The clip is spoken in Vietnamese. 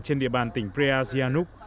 trên địa bàn tỉnh brea sihanouk